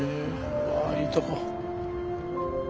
うわいいとこ。